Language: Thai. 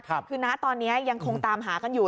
คือนะตอนนี้ยังคงตามหากันอยู่